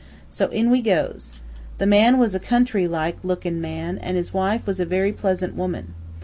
So in we goes. The man was a country like lookin' man, an' his wife was a very pleasant woman.